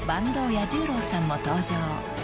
彌十郎さんも登場］